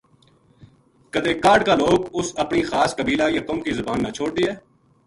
کَدے کاہڈ کالوک اُس اپنی خاص قبیلہ یا قوم کی زبان نا چھو ڈ دیے